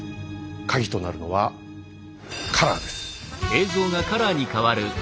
カギとなるのは「カラー」です。